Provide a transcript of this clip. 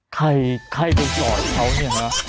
ใครใครต้องสอนเขาเนี่ยนะ